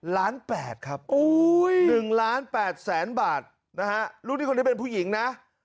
ล้านแปดครับหนึ่งล้านแปดแสนบาทนะฮะลูกหนี้คนนี้เป็นผู้หญิงนะ